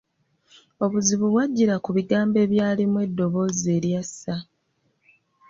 Obuzibu bw’ajjira ku bigambo ebyalimu eddoboozi erya ssa.